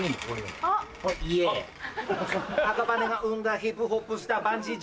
赤羽が生んだヒップホップスター